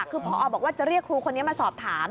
คือพอบอกว่าจะเรียกครูคนนี้มาสอบถาม